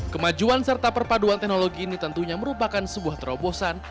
kemajuan serta perpaduan teknologi ini tentunya merupakan sebuah terobosan